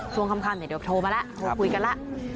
ชวงคำแต่เดี๋ยวโทรมาแล้วพร้อมคุยกันละ